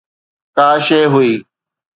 ڪا شيءِ هئي.